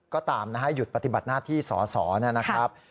ก็ตามนะฮะหยุดปฏิบัติหน้าที่สอสอนะครับ